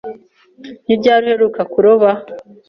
Ni ryari uheruka kuroba?